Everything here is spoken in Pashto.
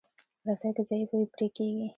رسۍ که ضعیفه وي، پرې کېږي.